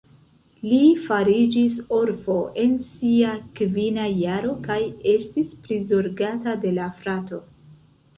Li fariĝis orfo en sia kvina jaro kaj estis prizorgata de la frato.